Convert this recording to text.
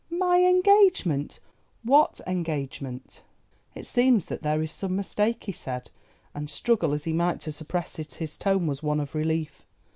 "My engagement! what engagement?" "It seems that there is some mistake," he said, and struggle as he might to suppress it his tone was one of relief.